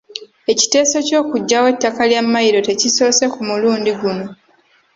Ekiteeso ky’okuggyawo ettaka lya mmayiro tekisoose ku mulundi guno.